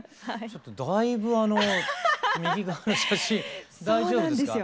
だいぶ右側の写真大丈夫ですか？